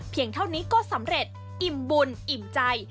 เท่านี้ก็สำเร็จอิ่มบุญอิ่มใจ